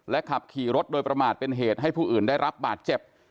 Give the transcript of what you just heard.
ขับขี่รถโดยประมาทเป็นเหตุให้ผู้อื่นได้รับบาดเจ็บ